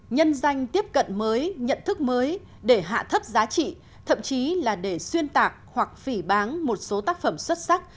nhân danh tiếp cận mới nhận thức mới để hạ thấp giá trị thậm chí là để xuyên tạc hoặc phỉ bán một số tác phẩm xuất sắc